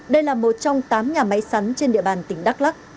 đây là một trong tám nhà máy sắn trên địa bàn tỉnh đắk lắc